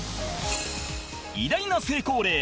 偉大な成功例